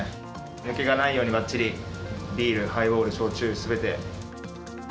抜けがないように、ばっちり、ビール、ハイボール、焼酎、すべて！